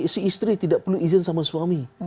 si istri tidak perlu izin sama suami